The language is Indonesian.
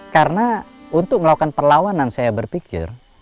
karena untuk melakukan perlawanan saya berpikir